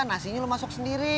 nasinya kamu masuk sendiri